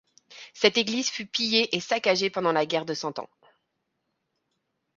Cette église fut pillée et saccagée pendant la guerre de Cent Ans.